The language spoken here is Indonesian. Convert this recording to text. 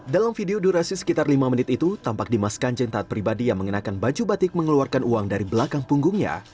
dalam video durasi sekitar lima menit itu tampak dimas kanjeng taat pribadi yang mengenakan baju batik mengeluarkan uang dari belakang punggungnya